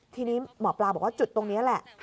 ทีนี้หมอปลาบอกว่าจุดตรงนี้แหละ